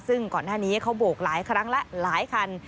ซึ่งก่อนหน้านี้เขาโบกหลายครั้งแล้วหลายคัน